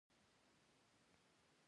مایتوکاندري د حجرې لپاره انرژي تولیدوي